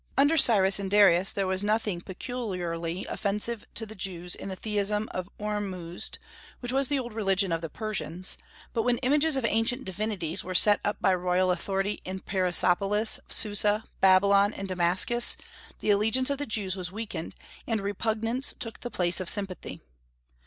Under Cyrus and Darius there was nothing peculiarly offensive to the Jews in the theism of Ormuzd, which was the old religion of the Persians; but when images of ancient divinities were set up by royal authority in Persepolis, Susa, Babylon, and Damascus, the allegiance of the Jews was weakened, and repugnance took the place of sympathy.